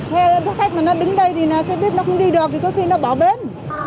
xe khách mà nó đứng đây thì xe buýt nó không đi được thì có khi nó báo bến